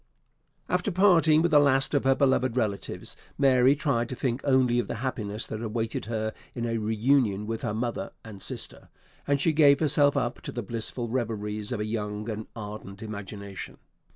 AFTER parting with the last of her beloved relatives Mary tried to think only of the happiness that awaited her in a reunion with her mother and sister; and she gave herself up to the blissful reveries of a young and ardent imagination.